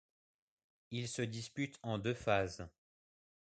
Il se dispute en deux phases.